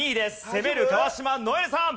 攻める川島如恵留さん。